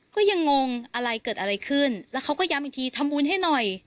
ก็ยังงงอะไรเกิดอะไรขึ้นแล้วเขาก็ย้ำอีกทีทำบุญให้หน่อย